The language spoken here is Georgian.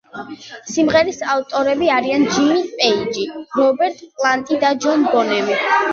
სიმღერის ავტორები არიან ჯიმი პეიჯი, რობერტ პლანტი და ჯონ ბონემი.